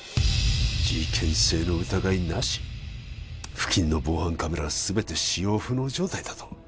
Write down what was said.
付近の防犯カメラは全て使用不能状態だと？